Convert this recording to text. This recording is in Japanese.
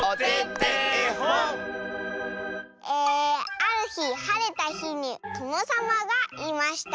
「あるひはれたひにとのさまがいました」。